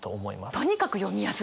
とにかく読みやすいですよね。